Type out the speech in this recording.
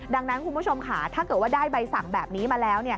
ดังนั้นคุณผู้ชมค่ะถ้าเกิดว่าได้ใบสั่งแบบนี้มาแล้ว